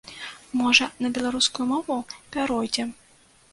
Можа, на беларускую мову пяройдзем?